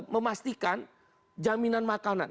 memastikan jaminan makanan